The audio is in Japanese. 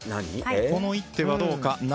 この一手はどうか。